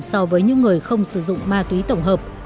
so với những người không sử dụng ma túy tổng hợp